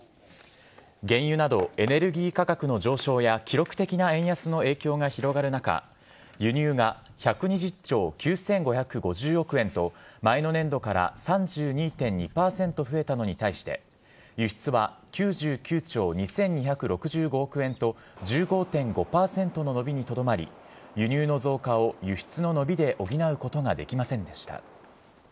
原油などエネルギー価格の上昇や記録的な円安の影響が広がる中輸入が１２０兆９５５０億円と前の年度から３２．２％増えたのに対して輸出は９９兆２２６５億円と１５．５％の伸びにとどまり輸入の増加を輸出の伸びで補うことができませんでした。